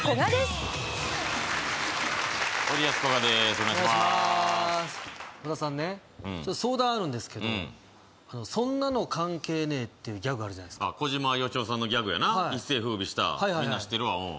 お願いしまーす小田さんねちょっと相談あるんですけど「そんなの関係ねぇ」っていうギャグあるじゃないですかあっ小島よしおさんのギャグやな一世ふうびしたみんな知ってるわうん